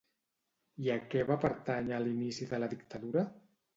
I a què va pertànyer a l'inici de la dictadura?